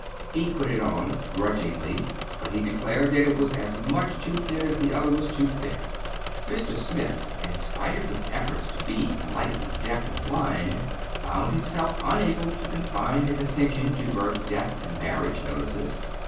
He put it on grudgingly, but he declared that it was as much too thin as the other was too thick. Mr. Smith, in spite of his efforts to be politely deaf and blind, found himself unable to confine his attention to birth, death, and marriage notices.